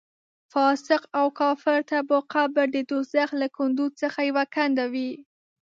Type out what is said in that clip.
فاسق او کافر ته به قبر د دوزخ له کندو څخه یوه کنده وي.